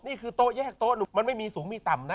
นี่คือโต๊ะแยกโต๊ะมันไม่มีสูงมีต่ำนะ